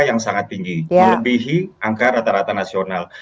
yang sangat tinggi melebihi angka rata rata nasional